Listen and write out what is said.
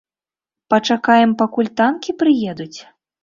Пачакаем пакуль танкі прыедуць???